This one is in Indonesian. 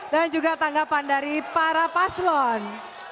dan juga tanggapan dari para paslon